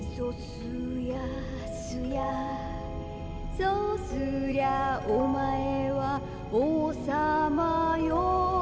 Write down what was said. すやすやそうすりゃおまえはおうさまよ